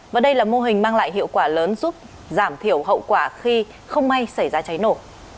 và đây là mô hình mang lại hiệu quả lớn giúp giảm thiểu hậu quả khi không may xảy ra cháy nổ